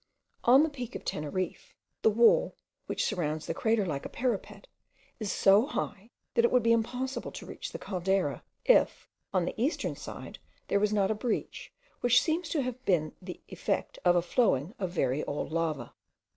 On the peak of Teneriffe, the wall, which surrounds the crater like a parapet, is so high, that it would be impossible to reach the Caldera, if, on the eastern side, there was not a breach, which seems to have been the effect of a flowing of very old lava.